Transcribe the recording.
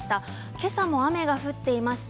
今朝も雨が降っていまして